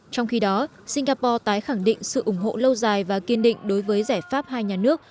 trong khi đó singapore tái khẳng định sự ủng hộ lâu dài và kiên định đối với giải pháp hai nhà nước